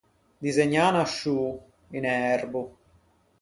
Disegnâ unna sciô, un erbo.